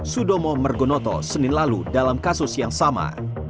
sudomo mergonoto senin lalu dalam kasus yang sama